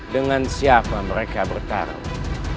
dengan siapa mereka bertarung